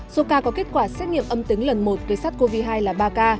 số ca có kết quả xét nghiệm âm tính lần một với sát covid hai là ba ca